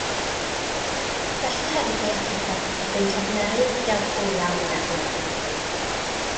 Felly hefyd De Affrica, a bu'n lladmerydd huawdl iawn yn erbyn apartheid.